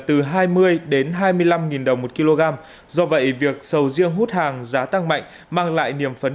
từ hai mươi đến hai mươi năm đồng một kg do vậy việc sầu riêng hút hàng giá tăng mạnh mang lại niềm phấn